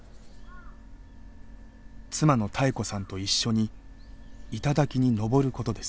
妻の妙子さんと一緒に頂に登ることです。